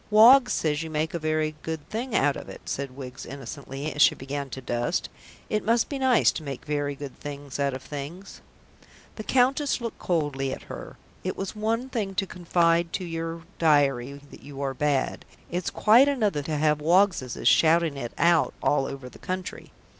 "Woggs says you make a very good thing out of it," said Wiggs innocently, as she began to dust. "It must be nice to make very good things out of things." The Countess looked coldly at her. It is one thing to confide to your diary that you are bad, it's quite another to have Woggsseses shouting it out all over the country.